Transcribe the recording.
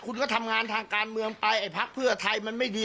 คุณก็ทำงานทางการเมืองไปไอ้พักเพื่อไทยมันไม่ดี